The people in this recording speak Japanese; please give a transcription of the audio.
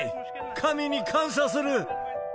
神に感謝する。